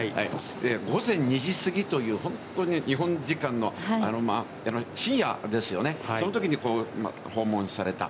午前２時すぎという本当に日本時間の深夜ですよね、そのときに訪問された。